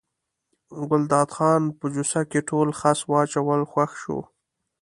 ګلداد خان په جوسه کې ټول خس واچول خوښ شو.